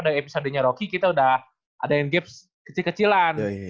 dari episode nya rocky kita udah ada game kecil kecilan